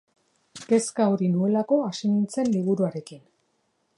Kezka hori nuelako hasi nintzen liburuarekin.